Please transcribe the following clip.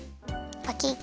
パキッ。